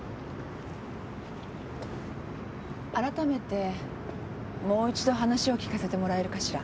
改めてもう一度話を聞かせてもらえるかしら？